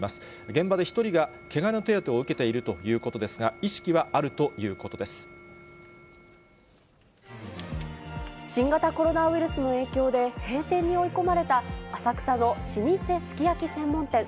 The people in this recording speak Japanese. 現場で１人がけがの手当てを受けているということですが、意識は新型コロナウイルスの影響で、閉店に追い込まれた浅草の老舗すき焼き専門店。